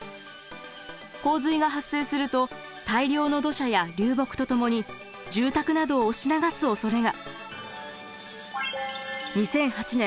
洪水が発生すると大量の土砂や流木と共に住宅などを押し流すおそれが。